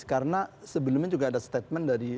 karena sebelumnya juga ada statement dari